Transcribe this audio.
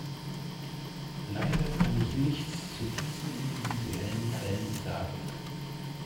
Leider kann ich nichts zu diesen individuellen Fällen sagen.